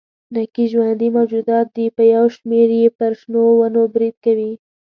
نکي ژوندي موجودات دي چې یو شمېر یې پر شنو ونو برید کوي.